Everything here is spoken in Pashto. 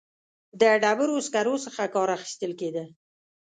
د ډبرو سکرو څخه کار اخیستل کېده.